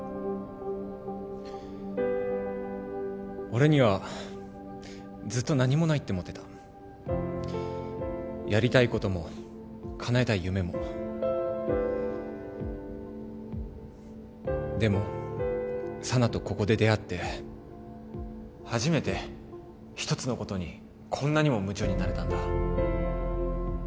俺にはずっと何もないって思ってたやりたいこともかなえたい夢もでも佐奈とここで出会って初めて一つのことにこんなにも夢中になれたんだ